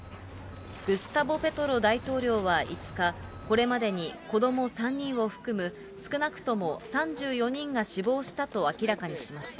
グスタボ・ペトロ大統領は、大統領は５日、これまでに子ども３人を含む少なくとも３４人が死亡したと明らかにしました。